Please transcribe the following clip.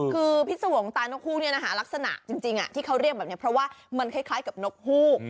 คือพิษวงศ์ตายนกฮูกลักษณะจริงที่เขาเรียกแบบนี้เพราะว่ามันคล้ายกับนกฮูก